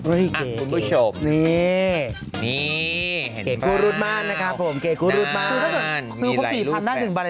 อ้าวคุณผู้ชมนี่นี่เห็นไหมครับนั่นมีหลายลูกค้าคุณลูกค้านั่นมีหลายลูกค้า